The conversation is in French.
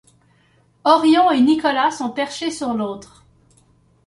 Orion et Nicolas sont perchés sur l'autre.